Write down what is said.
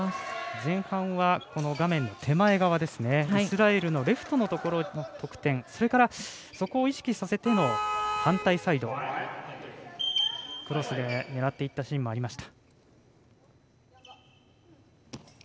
前半は、画面手前側イスラエルのレフトのところの得点また、そこを意識させたところでの反対サイド、クロスで狙っていったシーンもありました。